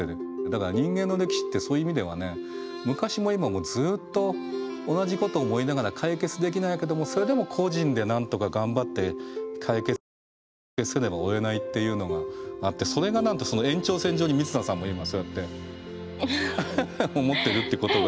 だから人間の歴史ってそういう意味ではね昔も今もずっと同じこと思いながら解決できないけどもそれでも個人でなんとか頑張って解決しよう解決せねばおえないっていうのがあってそれがなんとその延長線上にみつなさんも今そうやって思ってるってことが面白いですよね。